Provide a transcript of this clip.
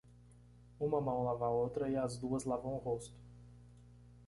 Uma mão lava a outra e as duas lavam o rosto.